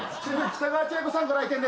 北川景子さんご来店です。